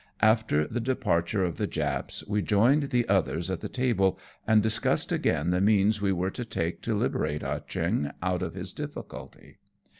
After the departure of the Japs we joined the others at the table, and discussed again the means we were to take to liberate Ah Cheong out of his difiiculty.